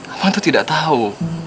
abang itu tidak tahu